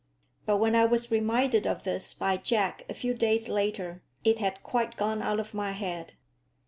But when I was reminded of this by Jack a few days later, it had quite gone out of my head.